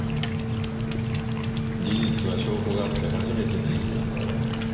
事実は証拠があって初めて事実なんだよ。